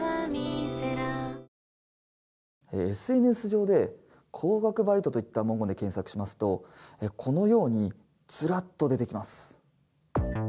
ＳＮＳ上で高額バイトといった文言で検索しますとこのようにずらっと出てきます。